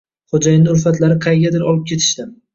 Xo‘jayinni ulfatlari qaygadir olib ketishdi.